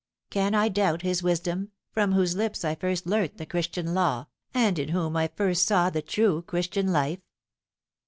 Can I doubt his wisdom, from whose lips I first learnt the Christian law, and in whom I first saw the true Christian life